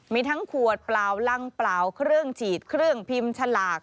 มีทั้งขวดเปล่ารังเปล่าเครื่องฉีดเครื่องพิมพ์ฉลาก